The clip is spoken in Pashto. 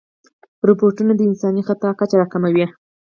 روبوټونه د انساني خطا کچه راکموي.